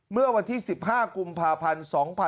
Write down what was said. เมื่อวันที่๑๕กุมภาพันธ์๒๕๖๒